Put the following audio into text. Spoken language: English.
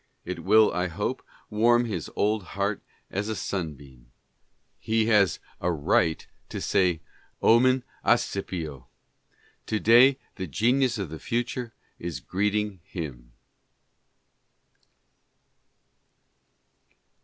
It will, I hope, warm his old heart as a sunbeam. He has a right 54 LETTERS. to say tc Omen Accipio." To day the genius of the future is greeting him.